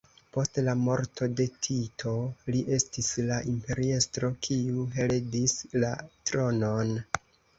Post la morto de Tito li estis la imperiestro kiu heredis la tronon.